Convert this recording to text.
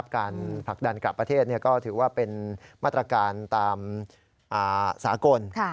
ผลักดันกลับประเทศก็ถือว่าเป็นมาตรการตามสากล